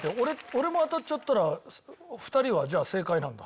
俺も当たっちゃったら２人はじゃあ正解なんだ？